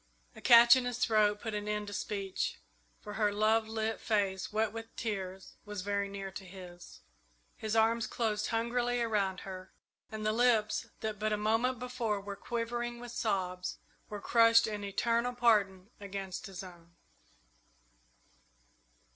"I " A catch in his throat put an end to speech, for her love lit face, wet with tears, was very near to his. His arms closed hungrily around her, and the lips that but a moment before were quivering with sobs, were crushed in eternal pardon against his own.